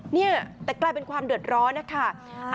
เนี่ยแต่กลายเป็นความเดือดร้อนนะคะ